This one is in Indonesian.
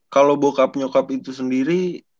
kalau bokap nyokap itu sendiri